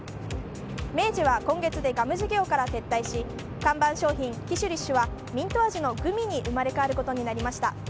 明治は今月でガム事業から撤退し看板商品キシリッシュはミント味のグミに生まれ変わることになりました。